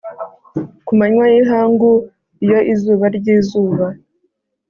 ku manywa y'ihangu iyo izuba ryizuba